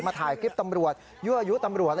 ถ่ายคลิปตำรวจยั่วยุตำรวจ